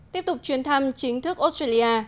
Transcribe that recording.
tiếp tục chuyến thăm chính thức australia